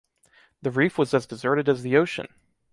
The reef was as deserted as the Ocean!